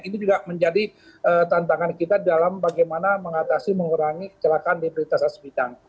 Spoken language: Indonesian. ini juga menjadi tantangan kita dalam bagaimana mengatasi mengurangi kecelakaan di berita sas bidang